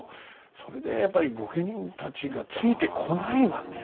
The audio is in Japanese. それでやっぱり御家人たちがついてこないわね。